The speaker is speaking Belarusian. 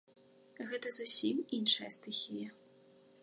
Гэта зусім іншая стыхія.